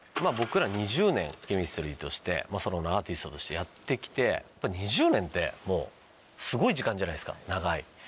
僕ら２０年ＣＨＥＭＩＳＴＲＹとしてソロのアーティストとしてやって来て２０年ってすごい時間じゃないですか長い。